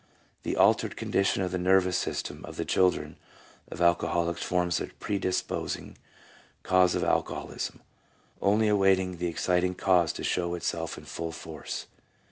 The altered condition of the nervous system of the children of alcoholics forms a pre disposing cause of alcoholism, only awaiting the exciting cause to show itself in full force.